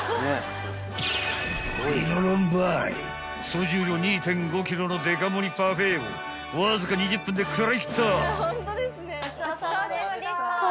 ［総重量２．５ｋｇのデカ盛りパフェをわずか２０分で食らいきった！］